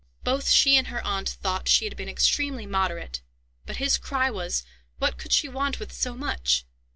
Both she and her aunt thought she had been extremely moderate; but his cry was, What could she want with so much?